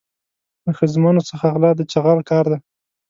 له ښځمنو څخه غلا د چغال کار دی.